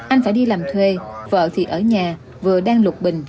anh phải đi làm thuê vợ thì ở nhà vừa đang lục bình